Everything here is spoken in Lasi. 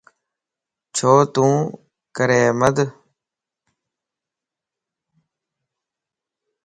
ڇو تو ڪري احمد؟